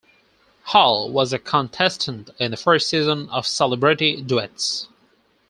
Hal was a contestant in the first season of "Celebrity Duets".